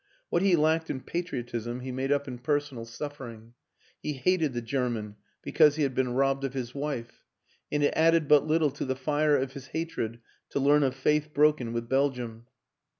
What he lacked in patriotism he made up in personal suffering; he hated the German be cause he had been robbed of his wife, and it added but little to the fire of his hatred to learn of faith broken with Belgium.